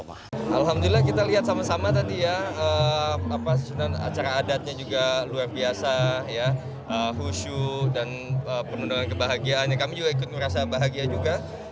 alhamdulillah kita lihat sama sama tadi ya susunan acara adatnya juga luar biasa khusyu dan penuh dengan kebahagiaannya kami juga ikut merasa bahagia juga